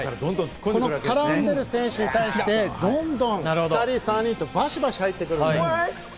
この絡んでる選手に対して、どんどん２人、３人とバシバシ入ってくるわけです。